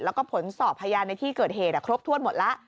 แล้วก็ผลสอบพยานในที่เกิดเหตุครบถ้วนหมดแล้ว